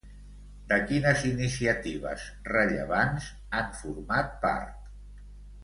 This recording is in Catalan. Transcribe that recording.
De quines iniciatives rellevants han format part?